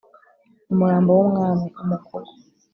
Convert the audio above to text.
Umurambo w’Umwami: Umugogo